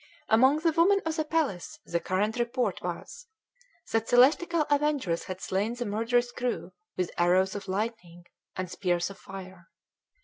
Among the women of the palace the current report was, that celestial avengers had slain the murderous crew with arrows of lightning and spears of fire.